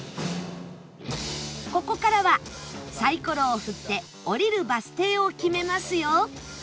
ここからはサイコロを振って降りるバス停を決めますよ